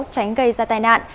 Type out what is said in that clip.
tránh gây ra tai nạn